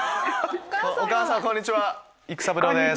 お母さんこんにちは育三郎です。